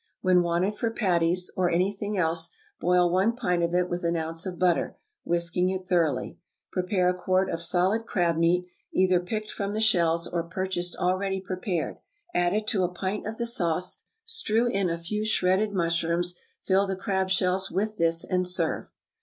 When wanted for patties, or any thing else, boil one pint of it with an ounce of butter, whisking it thoroughly. Prepare a quart of solid crab meat, either picked from the shells or purchased already prepared; add it to a pint of the sauce; strew in a few shredded mushrooms: fill the crab shells with this, and serve.